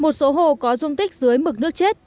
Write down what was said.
một số hồ có dung tích dưới mực nước chết